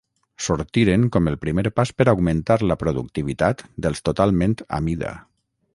Sortiren com el primer pas per augmentar la productivitat dels totalment a mida.